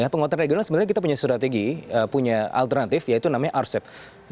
penguatan regional sebenarnya kita punya strategi punya alternatif yaitu namanya rcep